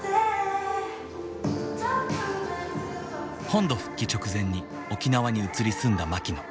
本土復帰直前に沖縄に移り住んだマキノ。